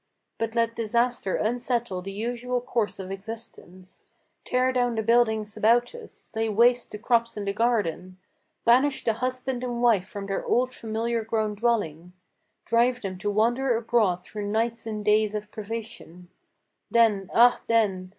But let disaster unsettle the usual course of existence, Tear down the buildings about us, lay waste the crops and the garden, Banish the husband and wife from their old, familiar grown dwelling, Drive them to wander abroad through nights and days of privation, Then, ah then!